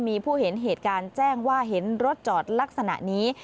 มีผู้เห็นเหตุการณ์แจ้งว่าเห็นรถจอดลักษณะนี้